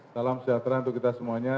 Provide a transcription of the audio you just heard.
salam sejahtera untuk kita semuanya